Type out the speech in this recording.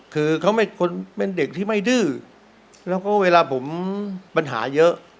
คือเขาเป็นคนเป็นเด็กที่ไม่ดื้อแล้วก็เวลาผมปัญหาเยอะ